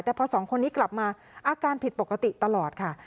แต่พอสองคนนี้กลับมาอาการผิดปกติตลอดค่ะ